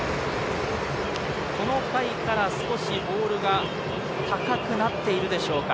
この回から少しボールが高くなっているでしょうか。